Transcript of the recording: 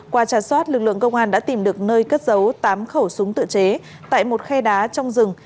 qua trà soát lực lượng công an đã tìm được nơi cất dấu tám khẩu súng tự chế tại một khay đá trong rừng